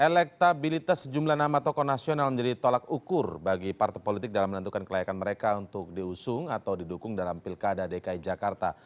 elektabilitas sejumlah nama tokoh nasional menjadi tolak ukur bagi partai politik dalam menentukan kelayakan mereka untuk diusung atau didukung dalam pilkada dki jakarta